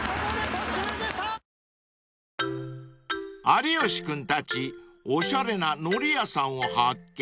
［有吉君たちおしゃれな海苔屋さんを発見］